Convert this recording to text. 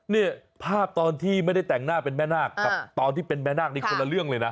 นี่ภาพตอนที่ไม่ได้แต่งหน้าเป็นแม่นาคกับตอนที่เป็นแม่นาคนี้คนละเรื่องเลยนะ